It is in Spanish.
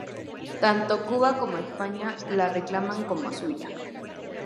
Tanto Cuba como España la reclaman como suya.